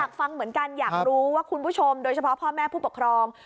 ฟังเหมือนกันอยากรู้ว่าคุณผู้ชมโดยเฉพาะพ่อแม่ผู้ปกครอง